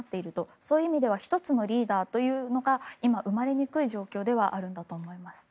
そういう意味では１つのリーダーというのが今、生まれにくい状況ではあると思います。